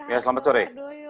ya selamat sore